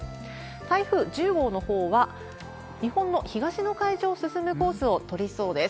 台風１０号のほうは、日本の東の海上を進むコースを取りそうです。